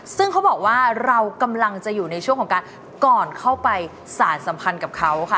ซึ่งเขาบอกว่าเรากำลังจะอยู่ในช่วงของการก่อนเข้าไปสารสัมพันธ์กับเขาค่ะ